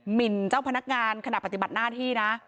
หมินเจ้าพนักงานขณะปฏิบัติหน้าที่นะ